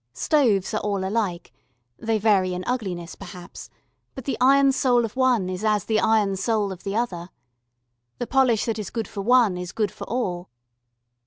Stoves are all alike, they vary in ugliness perhaps, but the iron soul of one is as the iron soul of the other. The polish that is good for one is good for all.